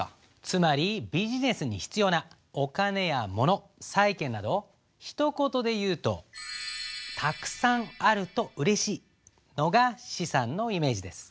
つまりビジネスに必要なお金やもの債権などひと言で言うとのが資産のイメージです。